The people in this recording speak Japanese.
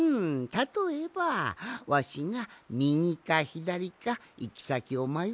たとえばわしがみぎかひだりかいきさきをまよったとする。